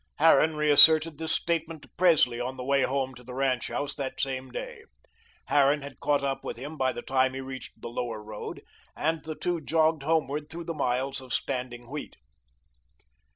Harran reasserted this statement to Presley on the way home to the ranch house that same day. Harran had caught up with him by the time he reached the Lower Road, and the two jogged homeward through the miles of standing wheat.